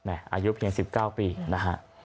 อายุเพียง๑๙ปีนะฮะ